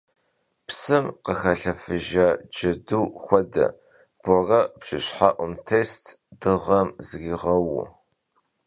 Psım khıxalhefıjja cedu xuede, Bore bjjeşhe'um têst, dığem zriğeuue.